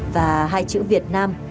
và hai chữ việt nam